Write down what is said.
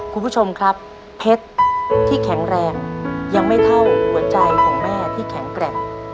คุณผู้ชมครับเพชรที่แข็งแรงยังไม่เท่าหัวใจของแม่ที่แข็งแกร่ง